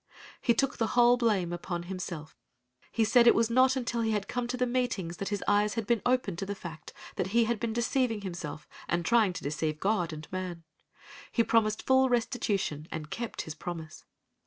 He took the whole blame upon himself. He said it was not until he had come to the meetings that his eyes had been opened to the fact that he had been deceiving himself and trying to deceive God and man. He promised full restitution and kept his promise.